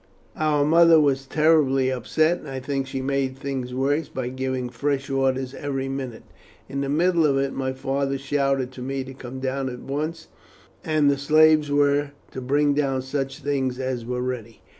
Our mother was terribly upset, and I think she made things worse by giving fresh orders every minute. In the middle of it my father shouted to me to come down at once, and the slaves were to bring down such things as were ready.